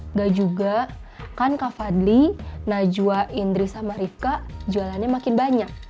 enggak juga kan kak fadli najwa indri sama rifka jualannya makin banyak